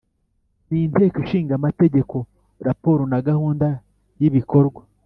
n’ inteko ishinga amategeko, raporo na gahunda by’ibikorwa